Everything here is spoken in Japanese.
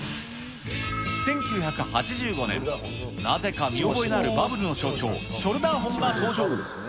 １９８５年、なぜか見覚えのあるバブルの象徴、ショルダーホンが登場。